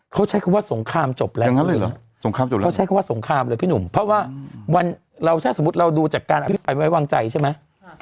เขาใช้คำว่าสงครามจบแล้วอีกก็ใช้ว่าสงครามเลยพี่หนุ่มเพราะว่าช่างสมมติเราดูจากการพิสัยวางใจใช่ไหม